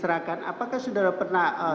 apakah saudara pernah